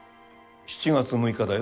７月６日だよ。